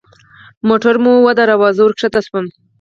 موټر مو ودراوه زه وركښته سوم.